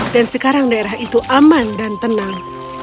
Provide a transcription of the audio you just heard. dan sekarang daerah itu aman dan tenang